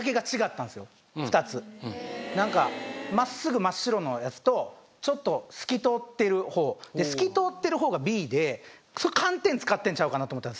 ２つうんなんかまっすぐ真っ白のやつとちょっと透き通ってるほうで透き通ってるほうがＢでそれ寒天使ってんちゃうかなと思ったんです